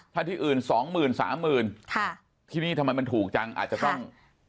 ถ้าที่อื่นสองหมื่นสามหมื่นค่ะที่นี่ทำไมมันถูกจังอาจจะต้อง